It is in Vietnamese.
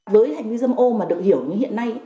với hành vi dâm ô mà được hiểu như hiện nay